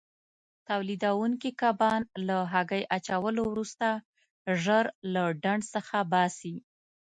تولیدوونکي کبان له هګۍ اچولو وروسته ژر له ډنډ څخه باسي.